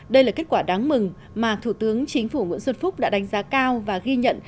đây là kết quả đáng mừng mà thủ tướng chính phủ nguyễn xuân phúc đã đánh giá cao và ghi nhận